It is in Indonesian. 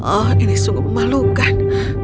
oh ini sungguh memalukan